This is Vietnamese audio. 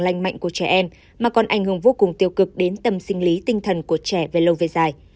lành mạnh của trẻ em mà còn ảnh hưởng vô cùng tiêu cực đến tâm sinh lý tinh thần của trẻ về lâu về dài